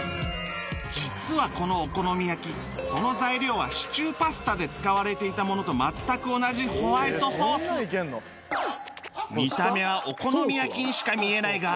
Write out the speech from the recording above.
実はこのお好み焼きその材料はシチューパスタで使われていたものと全く同じ見た目はお好み焼きにしか見えないが